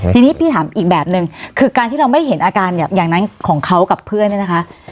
ทีนี้พี่ถามอีกแบบนึงคือการที่เราไม่เห็นอาการอย่างนั้นของเขากับเพื่อนเนี่ยนะคะ